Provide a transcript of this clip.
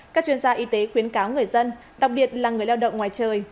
các chuyên gia y tế khuyến cáo người dân đặc biệt là người lao động ngoài trời